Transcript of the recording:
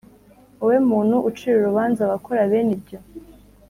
Wowe muntu ucira urubanza abakora bene ibyo